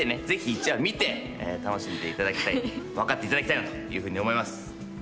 ぜひ１話見て楽しんでいただきたい分かっていただきたいなというふうに思います